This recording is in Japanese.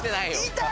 痛い！